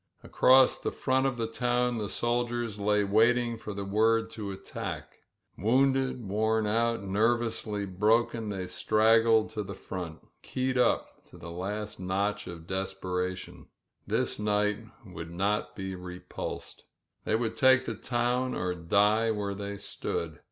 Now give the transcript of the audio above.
Across the front of the t< the soldiers lay waiting for the word to atti Wounded, worn out, nervously broken, they stragj to the front, keyed up to the last notch of desperat This night they would not be repulsed. They wc take the town or die where they stood.